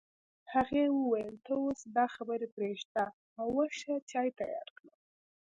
هغې وویل ته اوس دا خبرې پرېږده او ورشه چای تيار کړه